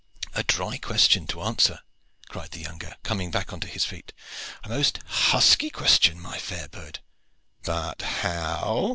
"A dry question to answer," cried the younger, coming back on to his feet. "A most husky question, my fair bird! But how?